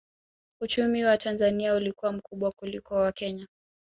Uchumi wa Tanzania ulikuwa mkubwa kuliko wa Kenya